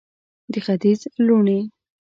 د ختیځ لوڼې